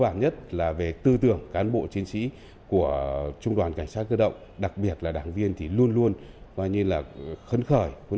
cơ bản nhất là về tư tưởng cán bộ chiến sĩ của trung đoàn cảnh sát cơ đồng đặc biệt là đảng viên luôn luôn khấn khởi